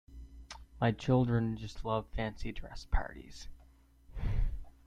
My children just love fancy dress parties